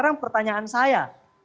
sekarang pertanyaan saya